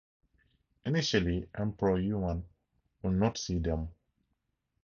Initially, Emperor Yuan would not see them.